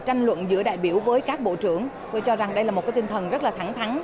trong tình trạng giữa đại biểu với các bộ trưởng tôi cho rằng đây là một tinh thần rất là thẳng thắn